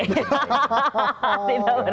dina berani memberikan jawaban itu oke